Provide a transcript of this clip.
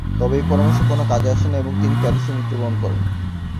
তবে এই পরামর্শ কোন কাজে আসে না এবং তিনি প্যারিসে মৃত্যুবরণ করেন।